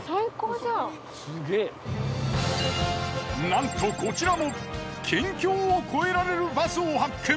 なんとこちらも県境を越えられるバスを発見。